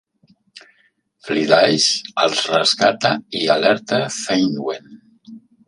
Flidais els rescata i alerta Ceinwen.